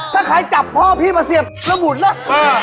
ถ้าใครจับพ่อพี่มาเสียบแล้วหมุนล่ะ